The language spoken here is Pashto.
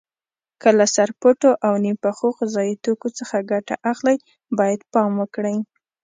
که له سرپټو او نیم پخو غذایي توکو څخه ګټه اخلئ باید پام وکړئ.